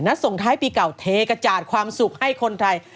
นัดส่งไทยปีเก่าเทกจาดความสุขให้คนไทย